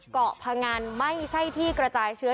เกาะพงันไม่ใช่ที่กระจายเชื้อ